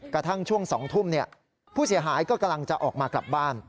กระทั่งช่วง๒ทุ่มผู้เสียหายก็กำลังจะออกมากลับบ้าน